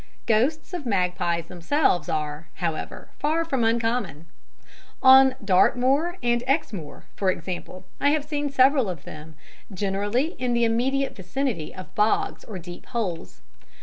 Ghosts of magpies themselves are, however, far from uncommon; on Dartmoor and Exmoor, for example, I have seen several of them, generally in the immediate vicinity of bogs or deep holes.